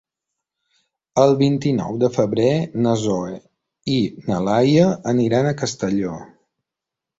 El vint-i-nou de febrer na Zoè i na Laia aniran a Castelló.